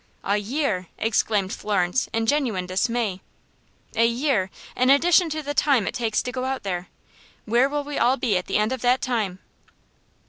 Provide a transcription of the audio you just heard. "A year!" exclaimed Florence, in genuine dismay "a year, in addition to the time it takes to go out there! Where will we all be at the end of that time?"